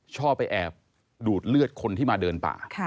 ชอบไปแอบดูดเลือดคนที่มาเดินป่า